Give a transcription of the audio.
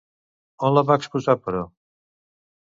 On la va exposar, però?